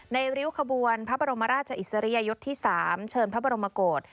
ริ้วขบวนพระบรมราชอิสริยยศที่๓เชิญพระบรมโกศ